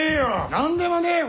何でもねえよ